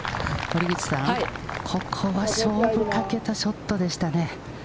森口さん、ここは勝負かけたショットでしたね。